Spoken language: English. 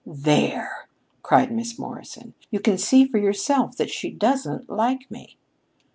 "There!" cried Miss Morrison; "you can see for yourself that she doesn't like me!"